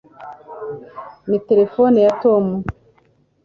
ni terefone ya tom